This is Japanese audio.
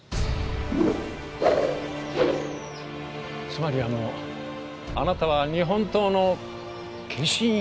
つまりあのあなたは日本刀の化身？